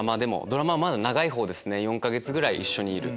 ドラマは長いほうですね４か月ぐらい一緒にいる。